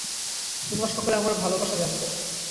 তোমরা সকলে আমার ভালবাসা জানবে।